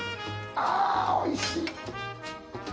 あおいしい。